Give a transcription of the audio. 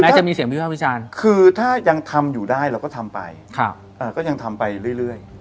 แม้จะมีเสียงพี่ฟังพี่จานคือถ้ายังทำอยู่ได้เราก็ทำไปค่ะก็ยังทำไปเรื่อยเรื่อย